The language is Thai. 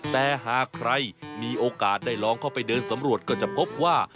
แต่หากใครมีโอกาสได้ลองเข้าไปเดินสำรวจก็จะพบว่า